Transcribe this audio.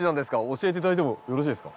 教えて頂いてもよろしいですか。